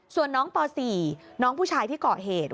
ส่วนน้องป๔น้องผู้ชายที่เกาะเหตุ